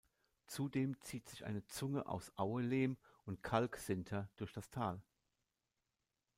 Zudem zieht sich eine Zunge aus Auelehm und Kalksinter durch das Tal.